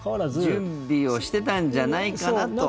準備をしてたんじゃないかなと。